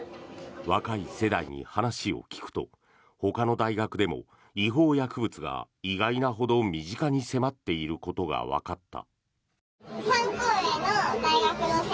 若い世代に話を聞くとほかの大学でも違法薬物が意外なほど身近に迫っていることがわかった。